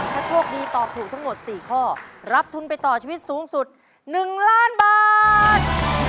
ถ้าโชคดีตอบถูกทั้งหมด๔ข้อรับทุนไปต่อชีวิตสูงสุด๑ล้านบาท